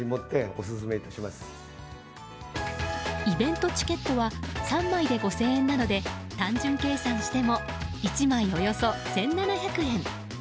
イベントチケットは３枚で５０００円なので単純計算しても１枚およそ１７００円。